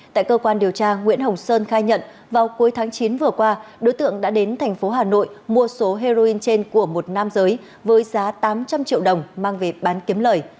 tại cơ quan điều tra nguyễn hồng sơn khai nhận vào cuối tháng chín vừa qua đối tượng đã đến thành phố hà nội mua số heroin trên của một nam giới với giá tám trăm linh triệu đồng mang về bán kiếm lời